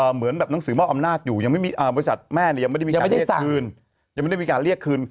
เหมือนแบบหนังสือบ้าอำนาจอยู่บริษัทแม่ยังไม่ได้มีการเรียกคืน